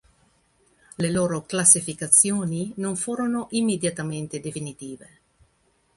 Le loro classificazioni non furono immediatamente definitive.